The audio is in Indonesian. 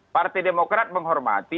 partai demokrat menghormati